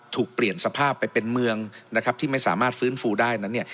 เปลี่ยนสภาพไปเป็นเมืองนะครับที่ไม่สามารถฟื้นฟูได้นั้นเนี่ย